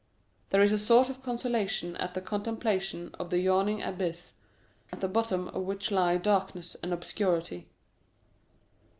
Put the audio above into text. There is a sort of consolation at the contemplation of the yawning abyss, at the bottom of which lie darkness and obscurity.